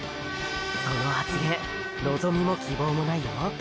その発言のぞみも希望もないよ？